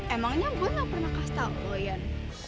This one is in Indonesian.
emangnya boy gak pernah kasih tau ke boyan